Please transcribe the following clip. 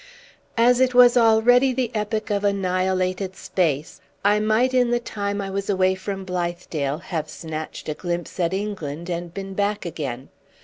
As it was already the epoch of annihilated space, I might in the time I was away from Blithedale have snatched a glimpse at England, and been back again.